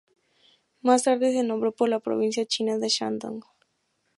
Más tarde se nombró por la provincia china de Shandong.